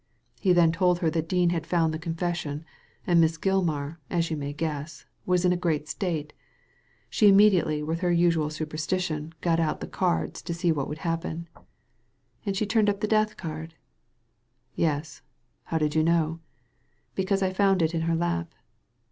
He then told her that Dean had found the confession, and Miss Gilmar, as you may guess, was in a great state. She immediately, with her usual super stition, got out the cards, to see what would happen." *• And she turned up the death card ?'*•* Yes. How do you know ?"•' Because I found it in her lap."